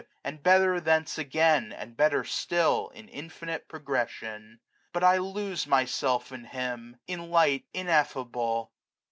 And better thence again, and better still, 115 In infinite progression. But I lose Myself in Him, in Light ineffable!